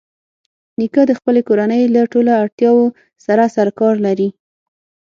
نیکه د خپلې کورنۍ له ټولو اړتیاوو سره سرکار لري.